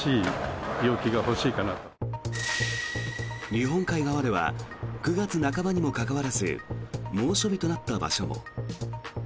日本海側では９月半ばにもかかわらず猛暑日となった場所も。